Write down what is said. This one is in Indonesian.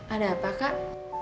ada apa kak